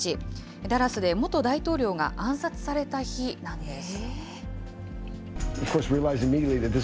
ダラスで元大統領が暗殺された日なんです。